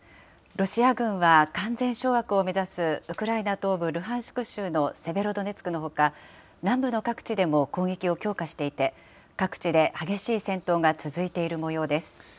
ロシア軍は完全掌握を目指すウクライナ東部ルハンシク州のセベロドネツクのほか、南部の各地でも攻撃を強化していて、各地で激しい戦闘が続いているもようです。